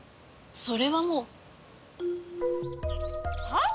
それはもう。はあ？